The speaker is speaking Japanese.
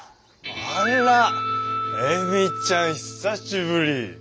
あらぁ恵美ちゃん久しぶり。